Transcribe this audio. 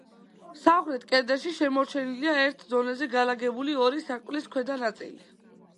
სამხრეთ კედელში შემორჩენილია ერთ დონეზე განლაგებული ორი სარკმლის ქვედა ნაწილი.